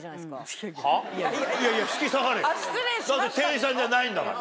だって店員さんじゃないんだから。